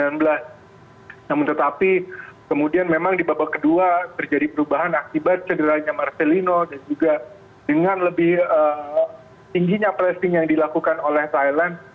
namun tetapi kemudian memang di babak kedua terjadi perubahan akibat cederanya marcelino dan juga dengan lebih tingginya pressing yang dilakukan oleh thailand